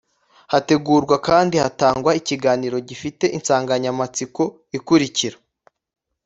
hategurwa kandi hatangwa ikiganiro gifite insanganyamatsiko ikurikira